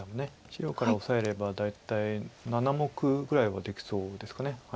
白からオサえれば大体７目ぐらいはできそうですかね。